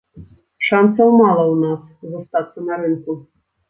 Шанцаў мала ў нас застацца на рынку.